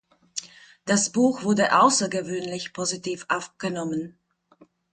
Das Buch wurde außergewöhnlich positiv aufgenommen.